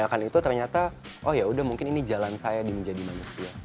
makan itu ternyata oh yaudah mungkin ini jalan saya di menjadi manusia